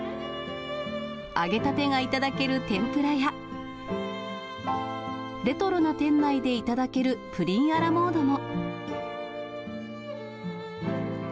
揚げたてが頂ける天ぷらや、レトロな店内でいただけるプリンアラモードも。